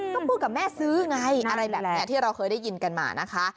ก็พูดกับแม่ซื้อไงอะไรแบบนี้ที่เราเคยได้ยินกันมานะคะ